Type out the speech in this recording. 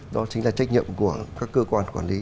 đó chính là trách nhiệm của các cơ quan quản lý